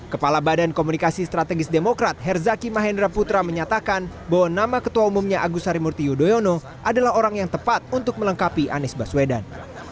kepala badan komunikasi strategis demokrat herzaki mahendra putra menyatakan bahwa nama ketua umumnya agus harimurti yudhoyono adalah orang yang tepat untuk melengkapi anies baswedan